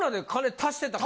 足してたね。